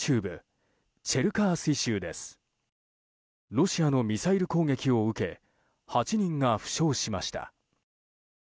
ロシアのミサイル攻撃を受け８人が負傷しました。